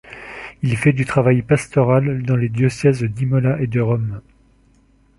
Il fait du travail pastoral dans les diocèses d'Imola et de Rome.